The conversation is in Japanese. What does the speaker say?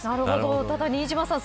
ただ新島さん